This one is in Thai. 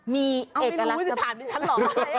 มีเอกลักษณะเอ้าไม่รู้ถ้าถามเป็นฉันเหรอ